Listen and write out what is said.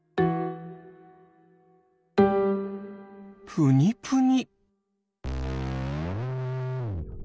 プニプニ。